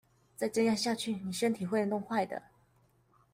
再這樣下去妳身體會弄壞的